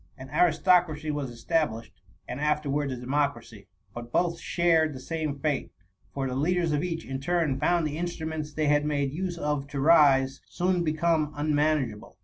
An aristocracy was established, and afterwards a democracy ; but both shared the same fate ; for the leaders of each^ in turn, found the instrufhents they had made use of to rise, soon become unmanageable.